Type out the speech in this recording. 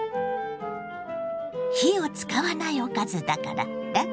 火を使わないおかずだからラクラクよ。